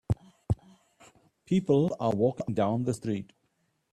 people are walking down the street.